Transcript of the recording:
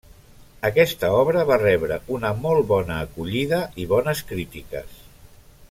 Aquesta obra va rebre una molt bona acollida i bones crítiques.